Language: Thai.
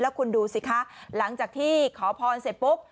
แล้วคุณดูสิคะหลังจากที่ขอเผาเสิดปุ๊บ